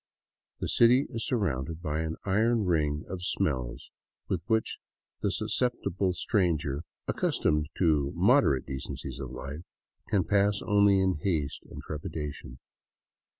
The city is surrounded by an iron ring of smells which the susceptible stranger, accustomed to the moderate de cencies of life, can pass only in haste and trepidation.